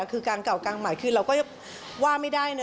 คือการเก่ากลางใหม่คือเราก็ว่าไม่ได้นะ